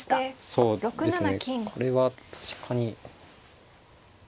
そうですねこれは確かに。